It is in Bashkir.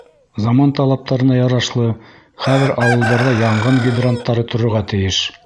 Заман талаптарына ярашлы, хәҙер ауылдарҙа янғын гидранттары торорға тейеш.